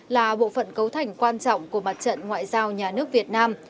là bộ phận cấu thành quan trọng của mặt trận ngoại giao nhà nước việt nam